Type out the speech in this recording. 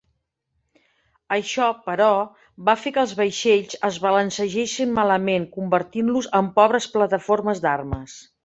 Això, però, va fer que els vaixells es balancegessin malament, convertint-los en pobres plataformes d'armes.